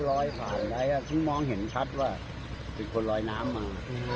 ลอยผ่านไว้ซึ่งมองเห็นชัดว่าเป็นคนลอยน้ำมา